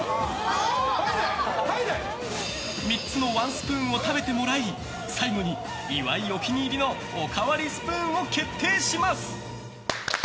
３つのワンスプーンを食べてもらい最後に岩井お気に入りのおかわりスプーンを決定します。